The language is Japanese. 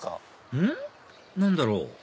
うん？何だろう？